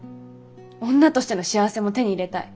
女としての幸せも手に入れたい。